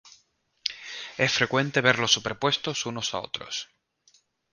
Es frecuente verlos superpuestos unos a otros.